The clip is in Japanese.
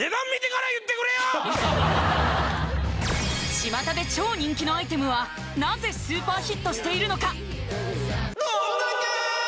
ちまたで超人気のアイテムはなぜスーパーヒットしているのか？